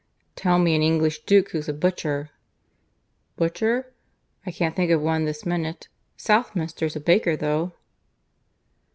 "Tell me an English duke who's a butcher," "Butcher? ... I can't think of one this minute. Southminster's a baker, though."